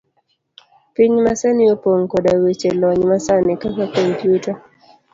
Piny masani opong' koda weche lony masani, kaka komputa.